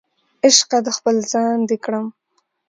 عشقه د خپل ځان دې کړم